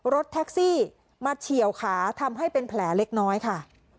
รถแท็กซี่มาเฉียวขาทำให้เป็นแผลเล็กน้อยค่ะ